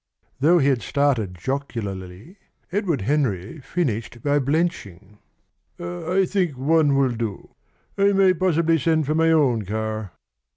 Though he had started jocularly, Edward Henry finished by blenching. "I think one will do.... I may possibly send for my own car."